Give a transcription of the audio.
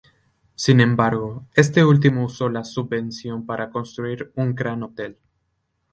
Sin embargo, este último usó la subvención para construir un gran hotel.